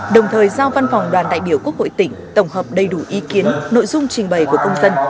đồng thời giao văn phòng đoàn đại biểu quốc hội tỉnh tổng hợp đầy đủ ý kiến nội dung trình bày của công dân